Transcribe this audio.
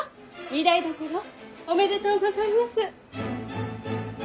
御台所おめでとうございます。